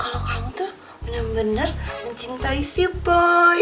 kalau kamu tuh bener bener mencintai si boy